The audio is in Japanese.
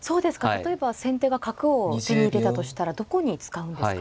例えば先手が角を手に入れたとしたらどこに使うんですか。